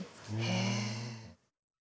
へえ。